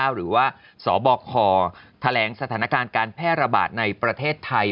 หรือว่าสบคแถลงสถานการณ์การแพร่ระบาดในประเทศไทย